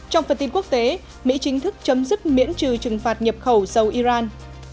trong phần tin quốc tế mỹ chính thức chấm dứt miễn trừ trừng phạt nhập khẩu dầu iran